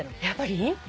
やっぱり？